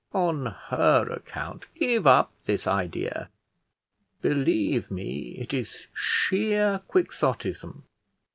On her account give up this idea. Believe me, it is sheer Quixotism."